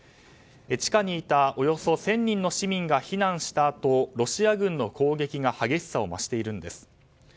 地下にいたおよそ１０００人の市民が避難したあとロシア軍の攻撃が激しさを増しているんです。